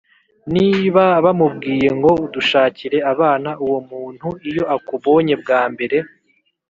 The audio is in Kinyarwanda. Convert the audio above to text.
Niba bamubwiye ngo dushakire abana, uwo muntu iyo akubonye bwa mbere